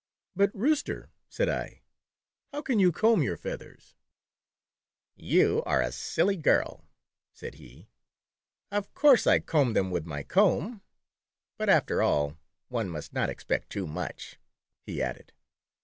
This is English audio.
"But, Rooster," said I, "how can you comb your feathers ?" My Flannel Rooster. /:> "You are a silly girl," said he. "Of course I comb them with my comb. But after all, one must not expect too much," he added.